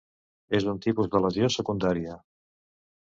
És un tipus de lesió secundària.